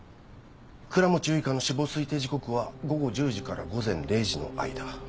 倉持結花の死亡推定時刻は午後１０時から午前０時の間。